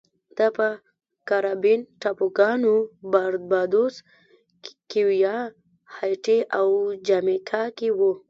دا په کارابین ټاپوګانو باربادوس، کیوبا، هایټي او جامیکا کې و